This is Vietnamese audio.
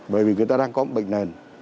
bởi vì người ta đang có bệnh nền